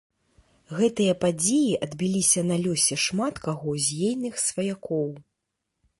Гэтыя падзеі адбіліся на лёсе шмат каго з ейных сваякоў.